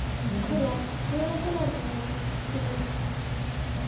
黒１６の十二ツギ。